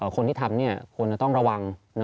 คนที่ทำเนี่ยคุณต้องระวัง